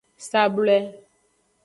Sablwe.